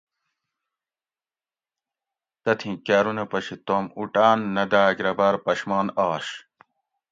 تتھیں کاۤرونہ پشی توم اُوٹاۤں نہ داۤگ رہ باۤر پشمان آش